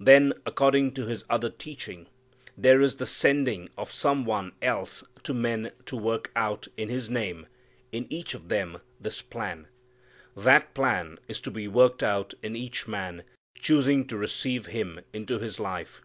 Then according to His other teaching there is the sending of some One else to men to work out in His name in each of them this plan. That plan is to be worked out in each man choosing to receive Him into his life.